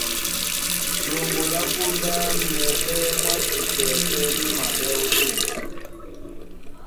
Ɗoŋgo lá póndá, mwɛɓɛ́ mwá jipɛ pɛ́ mú maɓɛ́ ótên.